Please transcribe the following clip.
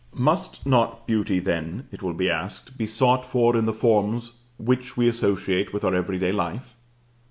XXIII. Must not beauty, then, it will be asked, be sought for in the forms which we associate with our every day life?